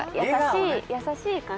優しい感じの。